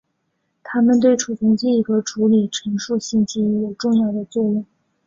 它们对储存记忆和处理陈述性记忆有重要的作用。